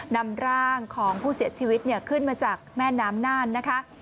นำร่างของผู้เสียชีวิตขึ้นมาจากแม่น้ำน่านนะคะ